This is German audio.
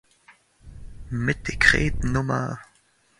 Mit Dekret Nr.